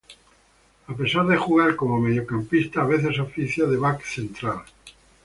A pesar de jugar como mediocampista, a veces oficia de back central.